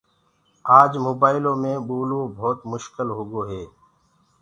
آج موبآئلو مي ٻولوو ڀوت مشڪل هوگو هي